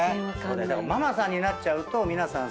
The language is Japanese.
ママさんになっちゃうと皆さん